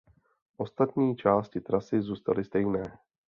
Ostatní části trasy zůstaly stejné.